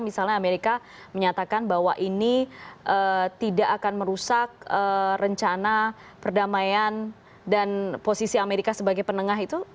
misalnya amerika menyatakan bahwa ini tidak akan merusak rencana perdamaian dan posisi amerika sebagai penengah itu